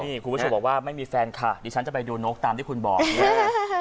นี่คุณผู้ชมบอกว่าไม่มีแฟนค่ะดิฉันจะไปดูนกตามที่คุณบอกเนี่ย